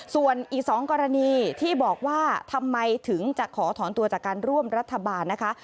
ส่วนอีก๒กรณีที่บอกว่าทำไมถึงจะขอถอนตัวจากการร่วมรัฐบาลนะคะ